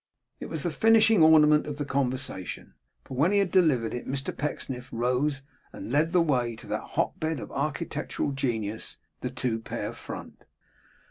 It was the finishing ornament of the conversation; for when he had delivered it, Mr Pecksniff rose and led the way to that hotbed of architectural genius, the two pair front.